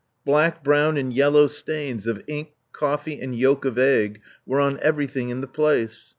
Black, brown and yellow stains of ink, coffee, and yolk of cgc^ were on everything in the place.